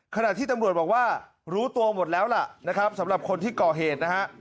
ขนาดที่ตำรวจบอกว่ารู้ตัวหมดแล้วล่ะสำหรับคนที่ก่อเหตุ